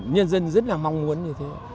nhân dân rất là mong muốn như thế